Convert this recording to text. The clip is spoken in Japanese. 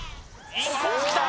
インコースきた！